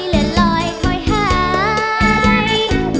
และลอยคอยหาย